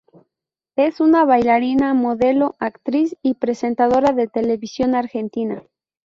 Es una bailarina, modelo, actriz y presentadora de televisión argentina.